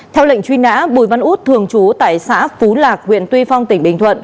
theo lệnh truy nã bùi văn út thường trú tại xã phú lạc huyện tuy phong tỉnh bình thuận